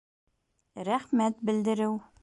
Рәхмәт белдереү